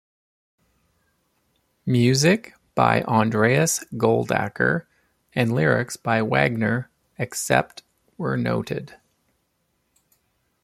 Music by Andreas Goldacker and lyrics by Wagner except where noted.